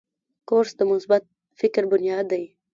کورس د مثبت فکر بنیاد دی.